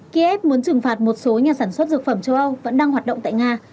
kiev muốn trừng phạt một số nhà sản xuất dược phẩm châu âu vẫn đang hoạt động tại nga